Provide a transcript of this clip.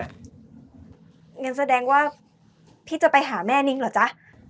งั้นแสดงว่าพี่จะไปหาแม่นิ้งเหรอจ๊ะ